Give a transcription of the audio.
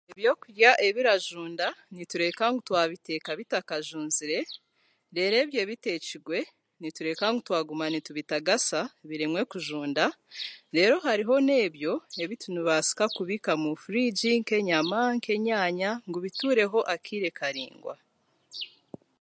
Ebyokurya ebirajunda nitureeka ngu twabiteeka bitakajunzire deeru ebyo ebiteekirwe nitureeka ngu twaguma nitubitagasa biremwe kujunda, reero hariho n'ebyo ebinubaasika kubiika mu furiigi, nk'enyama, nk'enyaanya ngu bituureho akaire karaingwa